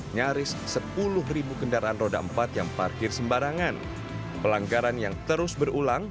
nyaris sepuluh ribu kendaraan roda empat yang parkir sembarangan pelanggaran yang terus berulang